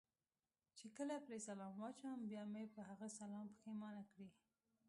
چې کله پرې سلام واچوم، بیا مې په هغه سلام پښېمانه کړي.